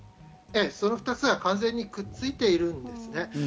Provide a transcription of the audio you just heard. その２つは完全にくっついているんですね。